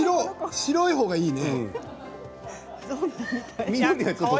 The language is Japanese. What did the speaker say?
白いほうがいいね。